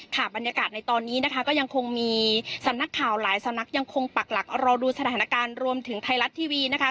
บรรยากาศในตอนนี้นะคะก็ยังคงมีสำนักข่าวหลายสำนักยังคงปักหลักรอดูสถานการณ์รวมถึงไทยรัฐทีวีนะคะ